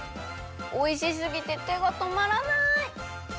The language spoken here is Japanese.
おいしすぎててがとまらない！